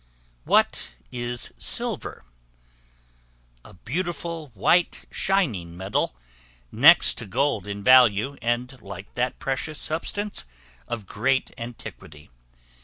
What is Silver? A beautiful white shining metal, next to gold in value, and, like that precious substance, of great antiquity.